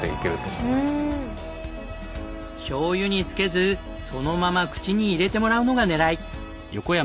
しょうゆに付けずそのまま口に入れてもらうのが狙い。